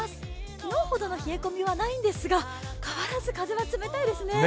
昨日ほどの冷え込みはないんですが、変わらず風は冷たいですね。